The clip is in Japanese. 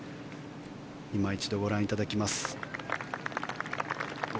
今一度ご覧いただきます。